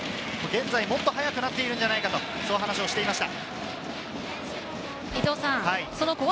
現在、もっと速くなっているんじゃないかと話をしていました。